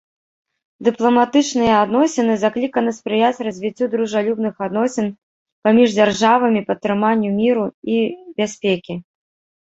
Дыпламатычныя адносіны закліканы спрыяць развіццю дружалюбных адносін паміж дзяржавамі, падтрыманню міру і бяспекі.